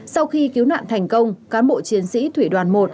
sau khi cứu nạn thành công cán bộ chiến sĩ thủy đoàn một